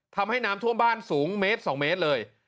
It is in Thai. ทำให้น้ำท่วมบ้านสูงเมตร๒เมตรเลย